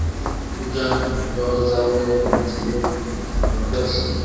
Imbwa n'umutoza we mugihe kitoroshye